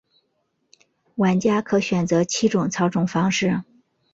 玩家可选择七种操纵方式。